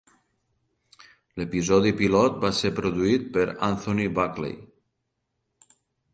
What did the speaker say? L'episodi pilot va ser produït per Anthony Buckley.